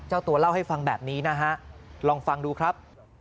เจ้าตัวเล่าให้ฟังแบบนี้นะฮะลองฟังดูครับ